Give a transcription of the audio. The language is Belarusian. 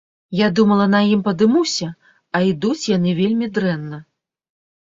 Я думала, на ім падымуся, а ідуць яны вельмі дрэнна.